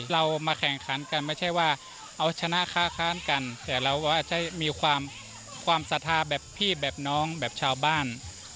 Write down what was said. เรามาแข่งขันกันไม่ใช่ว่าเอาชนะค้าค้านกันแต่เราก็ใช้มีความศรัทธาแบบพี่แบบน้องแบบชาวบ้าน